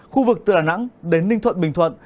khu vực từ đà nẵng đến ninh thuận bình thuận